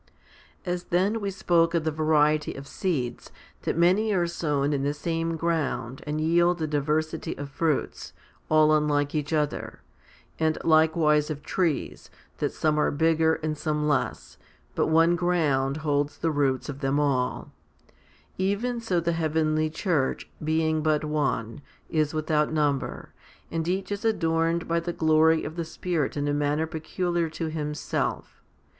3. As then we spoke of the variety of seeds, that many are sown in the same ground and yield a diversity of fruits, all unlike each other ; and likewise of trees, that some ' are bigger and some less, but one ground holds the roots of them all ; even so the heavenly church, being but one, is without number, and each is adorned by the. glory of the Spirit in a manner peculiar to himself.